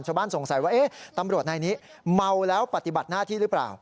สงสัยว่าเอ๊ะตำรวจนายนี้เมาแล้วปฏิบัติหน้าที่หรือเปล่า